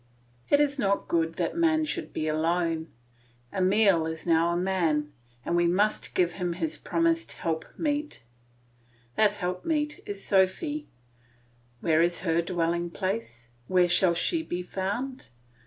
It is not good that man should be alone. Emile is now a man, and we must give him his promised helpmeet. That helpmeet is Sophy. Where is her dwelling place, where shall she be found?